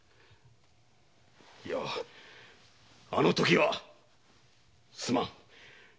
いゃあの時はすまん。